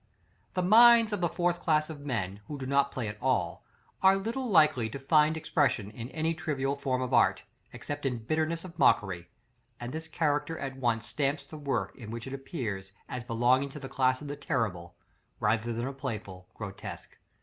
4. The minds of the fourth class of men who do not play at all, are little likely to find expression in any trivial form of art, except in bitterness of mockery; and this character at once stamps the work in which it appears, as belonging to the class of terrible, rather than of playful, grotesque.